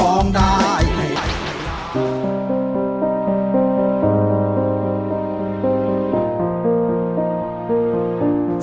ร้องได้ให้ร้าน